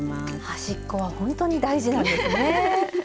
端っこはほんとに大事なんですね。